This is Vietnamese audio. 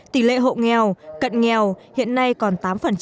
tỷ lệ hộ nghèo cận nghèo hiện nay còn tám